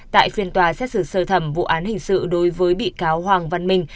tại phiên tòa xét xử sơ thẩm vụ án hình sự đối với bị cáo hoàng văn minh